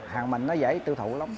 hàng mịn nó dễ tiêu thụ lắm